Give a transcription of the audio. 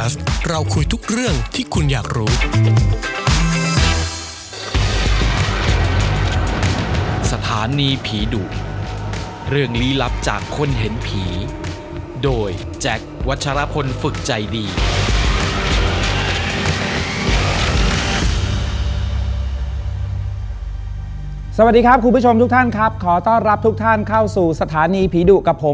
สวัสดีครับคุณผู้ชมทุกท่านครับขอต้อนรับทุกท่านเข้าสู่สถานีผีดุกับผม